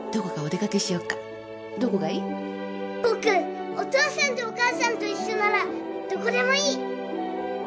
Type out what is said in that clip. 僕お父さんとお母さんと一緒ならどこでもいい。